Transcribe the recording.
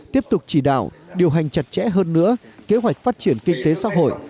tiếp tục chỉ đạo điều hành chặt chẽ hơn nữa kế hoạch phát triển kinh tế xã hội